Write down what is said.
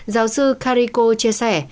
giáo sư carrico chia sẻ